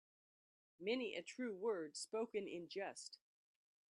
Many a true word spoken in jest.